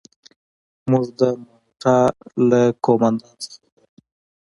موږ د مالټا له قوماندان څخه غواړو.